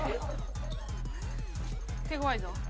手ごわいぞ。